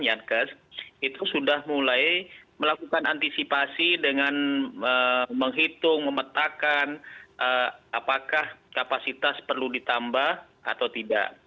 yankes itu sudah mulai melakukan antisipasi dengan menghitung memetakan apakah kapasitas perlu ditambah atau tidak